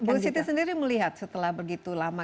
bu siti sendiri melihat setelah begitu lama